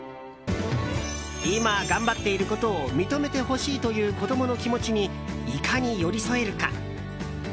今、頑張っていることを認めてほしいという子供の気持ちにいかに寄り添えるか。